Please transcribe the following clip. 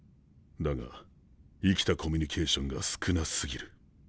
だが生きたコミュニケーションが少なすぎる。